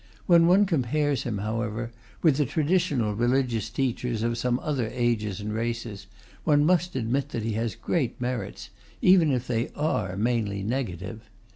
When one compares him, however, with the traditional religious teachers of some other ages and races, one must admit that he has great merits, even if they are mainly negative.